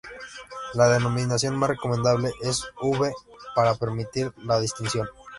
La denominación más recomendable es uve para permitir la distinción.